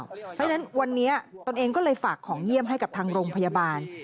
เพราะฉะนั้นวันนี้ตนเองก็เลยฝากของเยี่ยมให้กับทางโรงพยาบาล